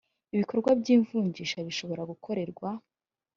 ibikorwa by ivunjisha bishobora gukorerwa